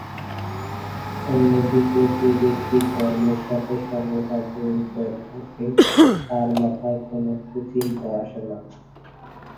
অন্যদিকে যে ব্যক্তি কর্মের সাথে সর্বদা জড়িত থাকে তার মাথায় কোনো কুচিন্তা আসে না।